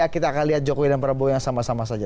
kita akan lihat jokowi dan prabowo yang sama sama saja